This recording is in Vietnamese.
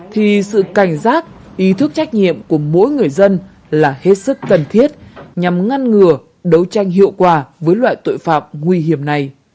thì sự cảnh giải phóng của các đối tượng ma túy sẽ còn có nhiều thủ đoạn hoạt động tinh vi hơn